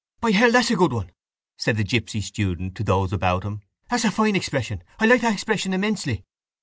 —By hell, that's a good one! said the gipsy student to those about him, that's a fine expression. I like that expression immensely.